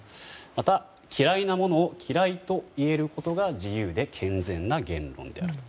また、嫌いなものを嫌いと言えることが自由で健全な言論であると。